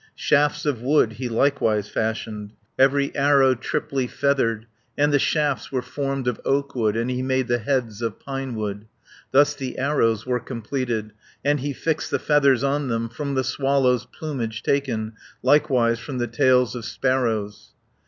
Shafts of wood he likewise fashioned. Every arrow triply feathered, And the shafts were formed of oakwood, And he made the heads of pinewood; 50 Thus the arrows were completed, And he fixed the feathers on them, From the swallows' plumage taken. Likewise from the tails of sparrows.